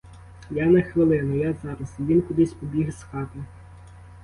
Я на хвилину, я зараз — і він кудись побіг з хати.